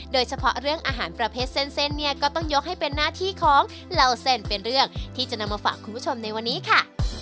โดยเฉพาะเรื่องอาหารประเภทเส้นเนี่ยก็ต้องยกให้เป็นหน้าที่ของเหล่าเส้นเป็นเรื่องที่จะนำมาฝากคุณผู้ชมในวันนี้ค่ะ